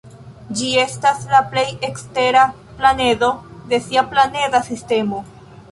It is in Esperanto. Ĝi estas la plej ekstera planedo de sia planeda sistemo.